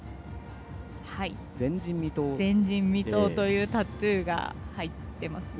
前人未到というタトゥーが入ってますね。